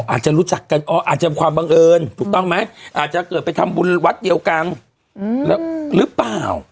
อาจจะรู้จักกันอ๋ออาจจะมีความบังเอิญถูกต้องไหมอาจจะเกิดไปทำบุญวัดเดียวกันหรือเปล่า